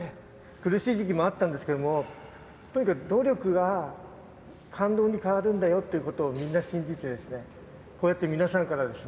苦しい時期もあったんですけどもとにかく努力が感動に変わるんだよっていうことをみんな信じてですねこうやって皆さんからですね